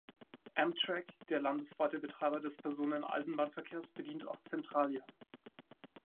Amtrak, der landesweite Betreiber des Personen-Eisenbahn-Verkehrs, bedient auch Centralia.